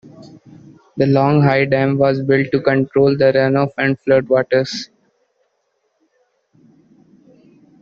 The long, high dam was built to control the runoff and floodwaters.